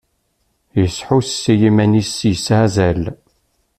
Yesḥus i yiman-is yesɛa azal.